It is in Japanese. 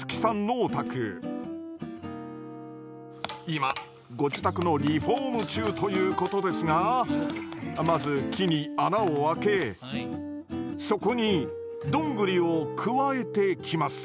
今ご自宅のリフォーム中ということですがまず木に穴を開けそこにドングリをくわえてきます。